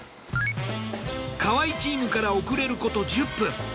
河合チームから遅れること１０分。